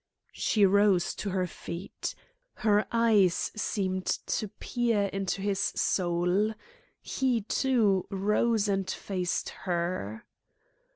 She rose to her feet. Her eyes seemed to peer into his soul. He, too, rose and faced her.